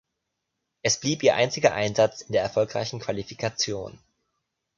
Es blieb ihr einziger Einsatz in der erfolgreichen Qualifikation.